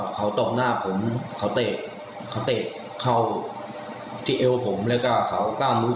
เขาตบหน้าผมเขาเตะเขาเตะเข้าที่เอวผมแล้วก็เขาก้าวลุก